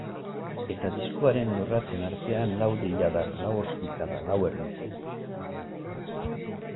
Eta diskoaren lorratzen artean lau deiadar, lau ostikada, lau erditze.